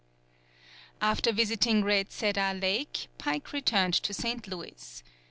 ] After visiting Red Cedar Lake, Pike returned to St. Louis.